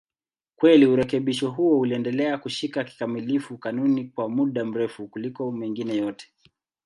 Kweli urekebisho huo uliendelea kushika kikamilifu kanuni kwa muda mrefu kuliko mengine yote.